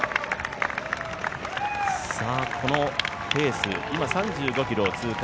このペース、今、３５ｋｍを通過。